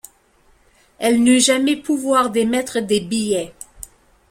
Elle n'eut jamais pouvoir d'émettre des billets.